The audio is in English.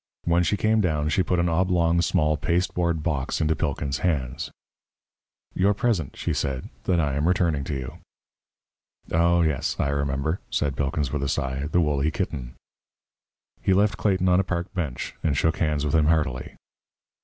When she came down, she put an oblong small pasteboard box into Pilkins' hands. "Your present," she said, "that I am returning to you." "Oh, yes, I remember," said Pilkins, with a sigh, "the woolly kitten." He left Clayton on a park bench, and shook hands with him heartily.